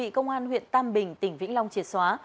bị công an huyện tam bình tỉnh vĩnh long triệt xóa